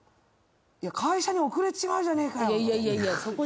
いや、会社に遅れちまうじゃねえかよ。